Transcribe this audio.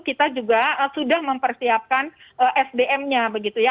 kita juga sudah mempersiapkan sdm nya begitu ya